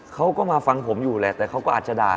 เขาก็มาฟังผมอยู่แหละแต่เขาก็อาจจะด่า